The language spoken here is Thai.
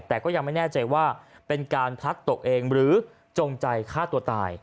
แต่ก็ยังไม่แน่ใจว่าเป็นการพลัดตกเองหรือจงใจฆ่าตัวตาย